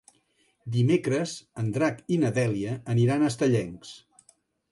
Dimecres en Drac i na Dèlia aniran a Estellencs.